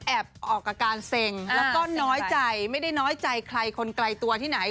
ออกอาการเซ็งแล้วก็น้อยใจไม่ได้น้อยใจใครคนไกลตัวที่ไหน